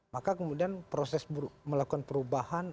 maka kemudian proses melakukan perubahan